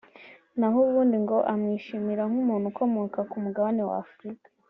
naho ubundi ngo amwishimira nk’umuntu ukomoka ku mugabane wa Afurika